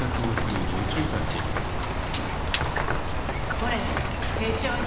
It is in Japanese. これ丁重に。